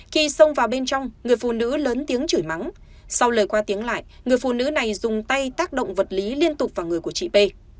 khi xông vào bên trong người phụ nữ lớn tiếng chửi mắng sau lời qua tiếng lại người phụ nữ này dùng tay tác động vật lý liên tục vào người của chị p